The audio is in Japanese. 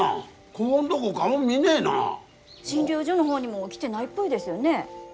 診療所の方にも来てないっぽいですよね。